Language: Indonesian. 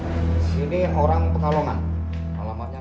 ini orang pengalaman